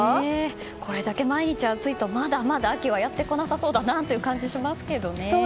これだけ毎日暑いとまだまだ秋はやってこなさそうだなという感じがしますけどね。